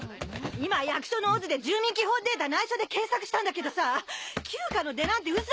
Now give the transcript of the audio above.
今役所のＯＺで住民基本データ内緒で検索したんだけどさ旧家の出なんてウソ！